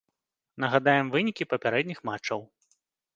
Нагадаем вынікі папярэдніх матчаў.